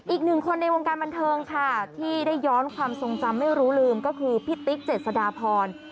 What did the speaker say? อีกหนึ่งคนในวงการบันเทิงค่ะที่ได้ย้อนความทรงจำไม่รู้ลืมก็คือพี่ติ๊กเจษฎาพร